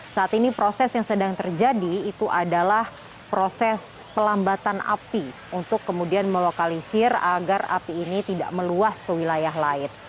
saat ini proses yang sedang terjadi itu adalah proses pelambatan api untuk kemudian melokalisir agar api ini tidak meluas ke wilayah lain